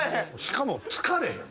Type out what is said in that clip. しかも疲れへん。